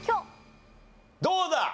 どうだ？